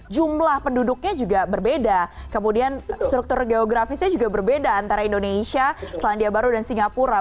jumlah penduduknya juga berbeda kemudian struktur geografisnya juga berbeda antara indonesia selandia baru dan singapura